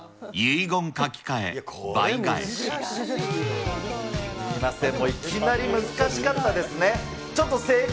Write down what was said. いきなり難しかったですね。